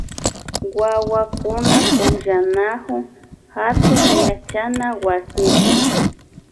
Wawakuna pukllanakun hatun yachana wasipi